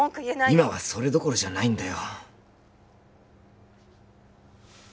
今はそれどころじゃないんだよ